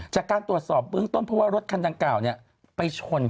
จากการตรวจสอบเบื้องต้นเพราะว่ารถคันดังกล่าวไปชน